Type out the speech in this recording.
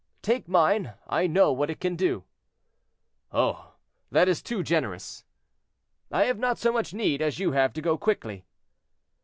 "Take mine; I know what it can do." "Oh! that is too generous." "I have not so much need as you have to go quickly."